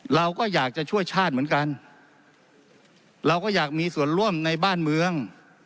เราก็อยากจะช่วยชาติเหมือนกันเราก็อยากมีส่วนร่วมในบ้านเมือง